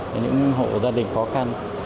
với những hộ gia đình khó khăn